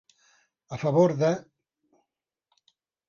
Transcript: A favor de.